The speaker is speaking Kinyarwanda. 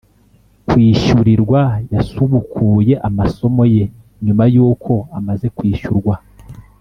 Kwishyurirwa yasubukuye amasomo ye nyuma yuko amaze kwishyurwa